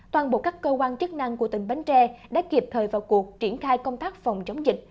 toàn bộ các cơ quan chức năng của tỉnh bến tre đã kịp thời vào cuộc triển khai công tác phòng chống dịch